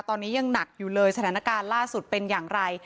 ตอนนี้ยังหนักอยู่เลยสถานการณ์ล่าสุดเป็นอย่างไร